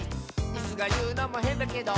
「イスがいうのもへんだけど」